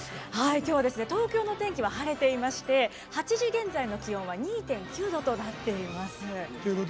今日は東京の天気は晴れていまして８時現在の気温は２．９度となっております。